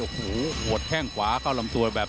โอ้โหหัวแข้งขวาเข้าลำตัวแบบ